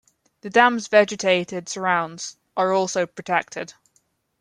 The dam's vegetated surrounds are also protected.